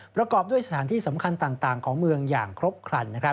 ประกอบด้วยสถานที่สำคัญต่างของเมืองอย่างครบครัน